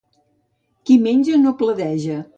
Qui menja no pledeja.